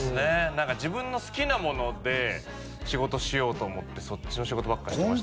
何か自分の好きなもので仕事しようと思ってそっちの仕事ばっかりしてました